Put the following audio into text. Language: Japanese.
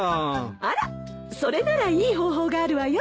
あらそれならいい方法があるわよ。